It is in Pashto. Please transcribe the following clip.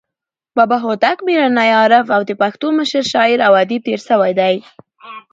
بابا هوتک میړنى، عارف او د پښتو مشر شاعر او ادیب تیر سوى دئ.